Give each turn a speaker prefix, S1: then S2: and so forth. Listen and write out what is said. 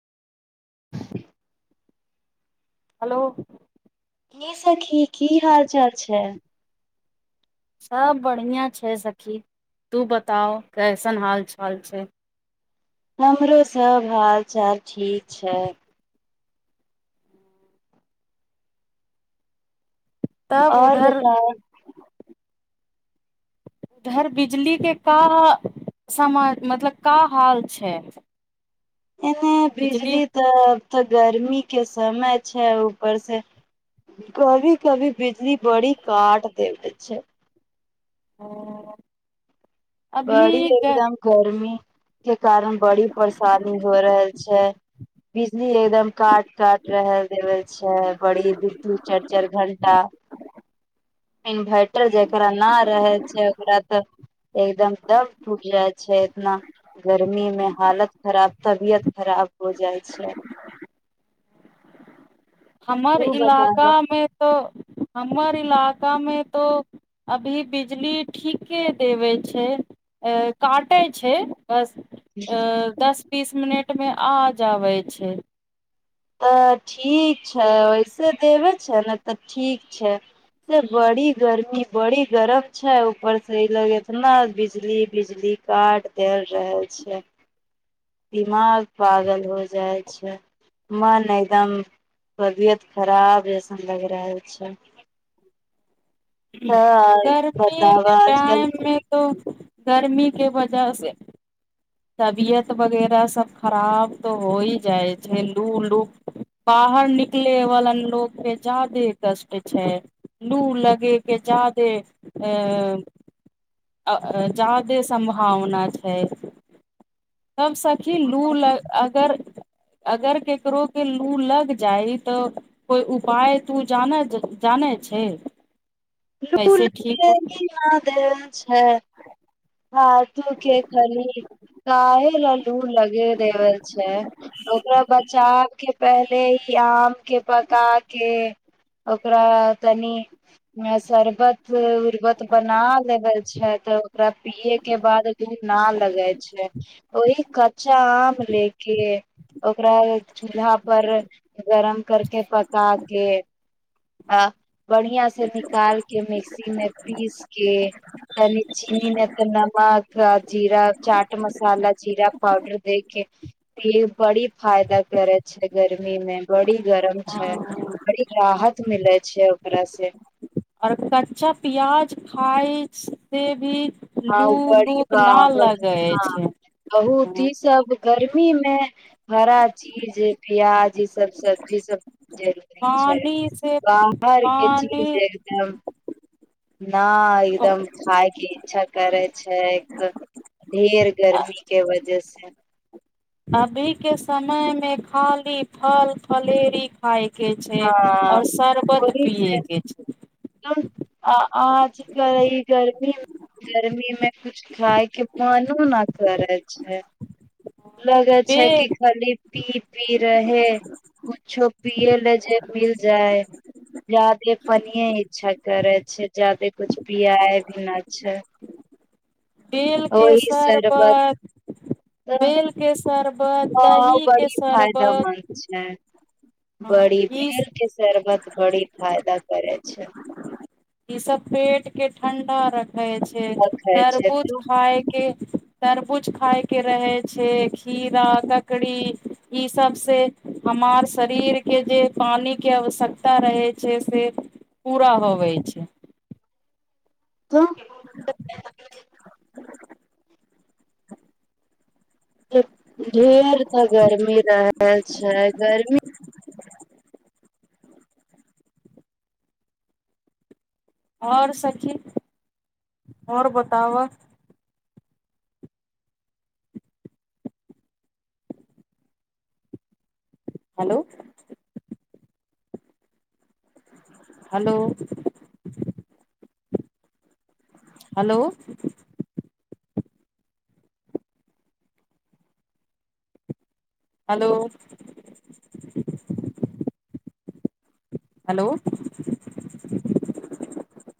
S1: hello
S2: हिस की सखी की हाल चाल छै
S1: सभ बढ़िआँ छै सखी तू बताओ कैसन हालचाल छै
S2: हमरो सभ हाल चाल ठीक छै
S1: तब
S2: आओर
S1: उधर
S2: बताउ
S1: उधर बिजलीके का समान मतलब का हाल छै
S2: एने
S1: बिजली
S2: बिीजली तऽ तऽ गर्मी के समय छै ऊपर से कभी कभी बिजल बड़ी काट देबै छै
S1: ओ अभी
S2: बड़ी
S1: ग
S2: एकदम गर्मी के कारण बड़ी परेशानी हो रहल छै बिजली एकदम काट काट रह देवे छै बड़ी दूर दू चारि चारि घं्टा इन्भर्टर जकरा नहि रहै छै ओकरा तऽ एकदम तब ूट जाय छै एतना गर्मी में हालत खराब तबियत खराब हो जाय छै
S1: हमर
S2: तू
S1: इलाका
S2: बताब
S1: मे त हमर इला गामे तो अभी बिजली ठीके देबै छै काटै छै बस दस बीस मिनट मे आ जाबै छै
S2: तऽ ठीक छै वैसे देबै छै ने तऽ ठीक छै से बड़ी गर्मी बड़ी गरम छै ऊपरसँ ई लग इतना बिजली बिजली काट देल रहै छै दिमाग पागल हो जाइ छै मन एकदम तबियत खराब जसन लगि रहल छै तऽ
S1: गर्मी
S2: बताब
S1: के
S2: आजकल
S1: टाइम मे तो गर्मी के वजह से तबियत वगैरह सभ खराब तऽ होइ जाइ छै लू लू बाहर निकलयवला लोकके ज्यदे कष्ट छै लू लगयके ज्यदे जा्यदे सम्भावना छै तब सखी लू ल अगर अगर केकरो के लू लग जाइ तऽ कोइ उपाय तू जान जानै छै
S2: लू ल
S1: कैसे ठीक हो
S2: न दे छै हथू के खनि काह लू लगा देव छै ओकरा बचाव के पहिले ई आम के पका के ओकरा तनि में सरबत सरबत बना लेबै छै तऽ ओकरा पियए के बाद ना लगा छै ओहि कच्चा आम ले के ओकरा चूल्हा पर गरम करके पका के [unintelligible] बढ़िया से निकाल के मिक्सी मे पीस के तनी चीनी नहि तऽ नमक जीरा चाट मसाला जीरा पाउडर दे के ई बड़ी फायदा करै छै गरीबी गमी मे बड़ी गरम छै बड़ी
S1: हँ
S2: राहत छै ओकरा से
S1: और कच्चा प्याज खाइ सेे भी
S2: हँ
S1: लू
S2: उी बड़ी
S1: लूक
S2: बा
S1: ना
S2: बडी
S1: लगे
S2: बा
S1: छै
S2: बहुत ही सब गर्मी में हरा चीज प्याज जी सब सब्जी सब जरूरी छै
S1: पानी से
S2: बाहर के चीज
S1: पानी
S2: एकदम नै एकदम खाय के इच्छा करै छै ढेर गर्मी के वजह से
S1: अभी के समय मे खाली फल फलेरी खााय के छै
S2: हँ
S1: ओर सरवत
S2: ओहि
S1: पियै
S2: से
S1: के छै
S2: आ आज कल ई गर्मी गर्मी मे कुछ खायके मनो न करै छै लगे
S1: बे
S2: छै कि खाली पी पी रहे कुछो पियए ले जे मिल जाय जादे पने इच्छा करे छै जादे कुछ पियाए भी न छै
S1: बेल के शरबत
S2: तऽ
S1: बेल के शरबत दही के
S2: बड़ी फायदामन्द
S1: शरबत
S2: छै बड़ी
S1: ई
S2: बेर के शरबत बड़ी फायदा करै छै
S1: ठण्डा रखै होइ छै
S2: रखै छै
S1: तरबूज
S2: धूप
S1: खायके तरबूज खाय के रहे छै खीरा ककड़ी ई सब से हमार शरीरके जे पानिके आवश्यकता रहै छै से पूरा होबै छै
S2: त ढेर तऽ गर्मी रहै छै गर्मी
S1: आओर सखि आओर बताब hello hello hello hello hello